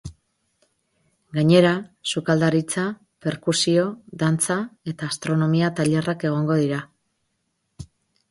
Gainera, sukaldaritza, perkusio, dantza eta astronomia tailerrak egongo dira.